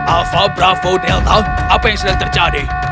alpha bravo delta apa yang sedang terjadi